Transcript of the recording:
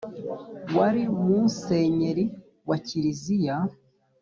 wari musenyeri wa kiriziya